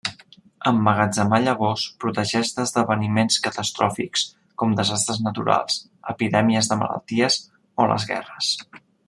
Emmagatzemar llavors protegeix d'esdeveniments catastròfics com desastres naturals, epidèmies de malalties o les guerres.